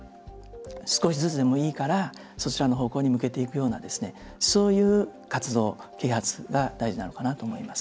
少しずつでもいいからそちらの方向に向けていくようなそういう活動啓発が大事なのかなと思います。